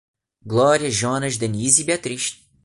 Glória, Jonas, Denise e Beatriz